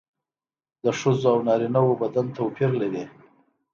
د ښځو او نارینه وو بدن توپیر لري